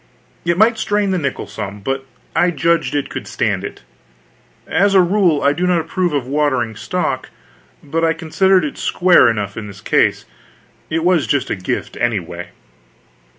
It might strain the nickel some, but I judged it could stand it. As a rule, I do not approve of watering stock, but I considered it square enough in this case, for it was just a gift, anyway.